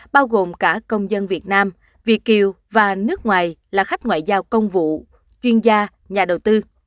bao gồm cả công dân việt nam việt kiều và nước ngoài là khách ngoại giao công vụ chuyên gia nhà đầu tư